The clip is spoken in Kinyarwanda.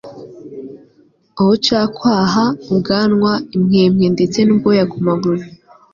ubucakwaha, ubwanwa, impwempwe ndetse n'ubwoya ku maguru